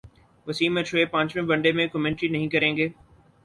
وسیم اور شعیب پانچویں one day میں کمنٹری نہیں کریں گے